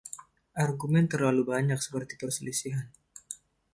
Argumen terlalu banyak seperti perselisihan.